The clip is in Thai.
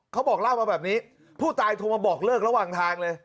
เขาบอกเล่ามาแบบนี้ผู้ตายโทรมาบอกเลิกระหว่างทางเลย